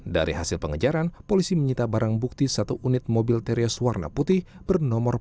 dari hasil pengejaran polisi menyita barang bukti satu unit mobil terios warna putih bernomor